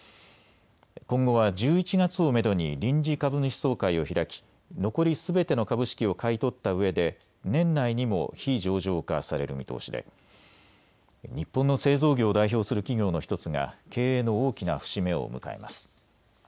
今後は１１月をめどに臨時株主総会を開き残りすべての株式を買い取ったうえで年内にも非上場化される見通しで日本の製造業を代表する企業の１つが経営の大きな節目を迎えます。